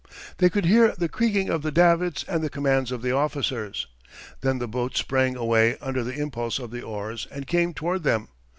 They could hear the creaking of the davits and the commands of the officers. Then the boat sprang away under the impulse of the oars, and came toward them.